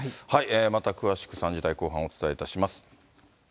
また詳しく、３時台後半、お伝えいたします。